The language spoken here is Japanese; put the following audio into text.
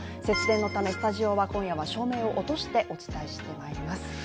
節電のため、スタジオは今夜は照明を落としてお伝えしてまいります。